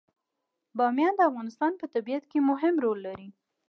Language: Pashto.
بامیان د افغانستان په طبیعت کې مهم رول لري.